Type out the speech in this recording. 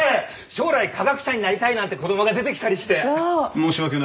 将来科学者になりたいなんて子供が出てきたりして。